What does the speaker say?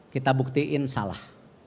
kita buktiin salah